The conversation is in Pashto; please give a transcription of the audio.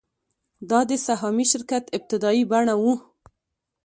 دا د سهامي شرکت ابتدايي بڼه وه